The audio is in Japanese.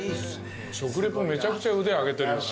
食レポめちゃくちゃ腕上げてるよね。